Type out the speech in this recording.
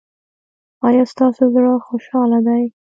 ایا ستاسو زړه خوشحاله دی؟